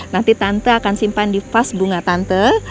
nanti tante akan simpan di vas bunga tante